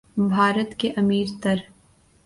بھارت کے امیر تر